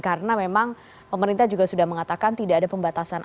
karena memang pemerintah juga sudah mengatakan tidak ada pembatasan